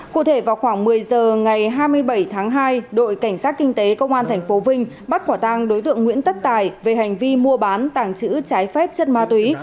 cụ thể vào khoảng một mươi h ngày hai mươi bảy tháng hai đội cảnh sát kinh tế công an tp vinh bắt quả tang đối tượng nguyễn tất tài về hành vi mua bán tàng trữ trái phép chất ma túy